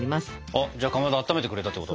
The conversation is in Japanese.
あっじゃあかまどあっためてくれたってこと？